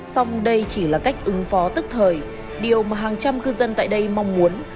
xong đây chỉ là cách ứng phó tức thời điều mà hàng trăm cư dân tại đây mong muốn